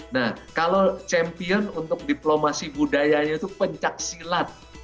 nah kalau champion untuk diplomasi budayanya itu pencaksilat